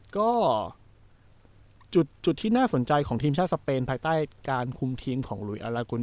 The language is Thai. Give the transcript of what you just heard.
ก็จุดที่น่าสนใจของทีมชาติสเปนในหลายรายแบบของการคุ้มครอบครัวถูกทิ้งอารกูลเยศ